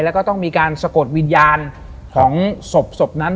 แล้วก็ต้องมีการสะกดวิญญาณของศพนั้น